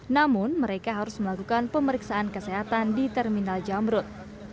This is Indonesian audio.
namun mereka harus melakukan pemeriksaan kesehatan di terminal jamrut